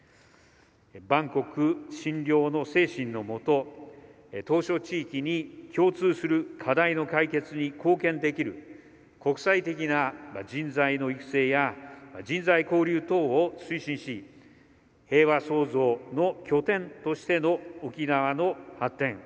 「万国津梁」の精神のもと島しょ地域に共通する課題の解決に貢献できる国際的な人材の育成や人材交流等を推進し平和創造の拠点としての沖縄の発展